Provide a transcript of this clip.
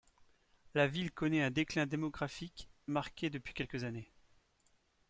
La ville connaît un déclin démographique marqué depuis quelques années.